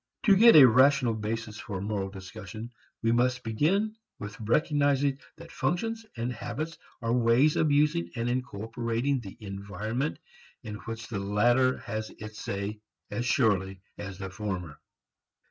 To get a rational basis for moral discussion we must begin with recognizing that functions and habits are ways of using and incorporating the environment in which the latter has its say as surely as the former.